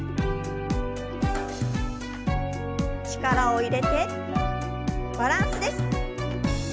力を入れてバランスです。